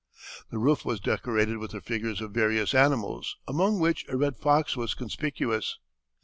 The roof was decorated with the figures of various animals, among which a red fox was conspicuous.